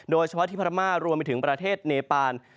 โดยเฉพาะที่พม่ารวมไปถึงประเทศเนปาน